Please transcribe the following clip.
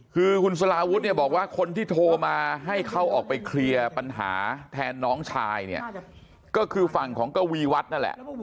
คือคุณสลาวุฒิเนี่ยบอกว่าคนที่โทรมาให้เขาออกไปเคลียร์ปัญหาแทนน้องชายเนี่ยก็คือฝั่งของกวีวัฒน์นั่นแหละ